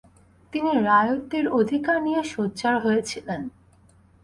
তিনি রায়তদের অধিকার নিয়ে সোচ্চার হয়েছিলেন।